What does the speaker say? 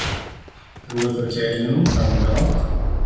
Ruoth otelnu ka udok